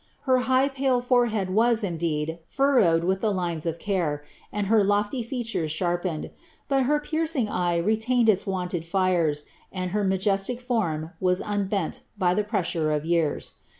Her hiiih pale forehead was, indeed, furrowed with the lines of care, and her lofly features sharpened, but her piercing eye retained ils wonted 6re?, and her majestic form was unbent by the pressure of years.